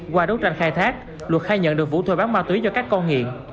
qua đối tranh khai thác luật khai nhận được vụ thuê bán ma túy do các con nghiện